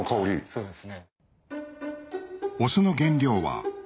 そうです。